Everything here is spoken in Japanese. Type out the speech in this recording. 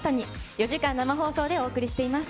４時間生放送でお送りしています。